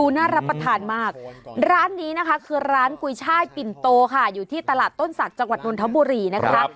หรือที่ตลาดต้นสัตว์จังหวัดนุนท้าบุรีนะคะ